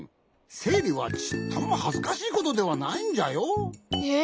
せいりはちっともはずかしいことではないんじゃよ。え？